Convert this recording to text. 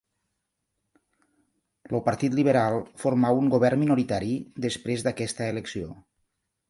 El partit liberal formà un govern minoritari després d'aquesta elecció.